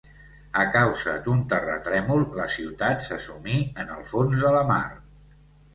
A causa d'un terratrèmol la ciutat se sumí en el fons de la mar.